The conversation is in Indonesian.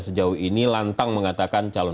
sejauh ini lantang mengatakan